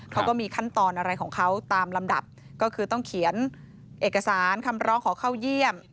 เขาก็มีขั้นตอนอะไรของเขาตามลำดับก็คือต้องเขียนเอกสารคำร้องขอเข้าเยี่ยม